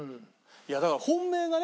いやだから本命がね